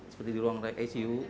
seperti di ruang icu